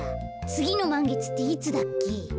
つぎのまんげつっていつだっけ？